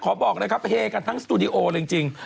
บอกเลยครับเฮกันทั้งสตูดิโอเลยจริง